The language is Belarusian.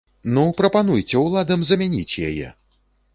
Ну, прапануйце ўладам замяніць яе!